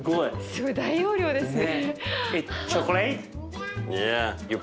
すごい大容量ですね。